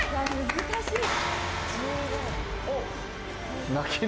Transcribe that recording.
難しい。